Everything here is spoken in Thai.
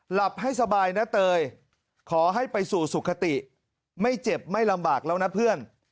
หลับให้สบายนะเตยขอให้ไปสู่สุขติไม่เจ็บไม่ลำบากแล้วนะเพื่อน